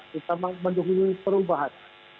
kita menjuhui perubahan